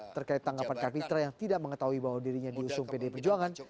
terkait tanggapan kapitra yang tidak mengetahui bahwa dirinya diusung pdi perjuangan